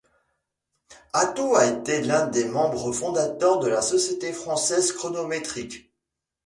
Hatot a été l'un des membres fondateurs de la Société française chronométrique.